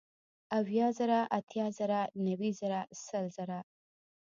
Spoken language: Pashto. اويه زره ، اتيا زره نوي زره سل زره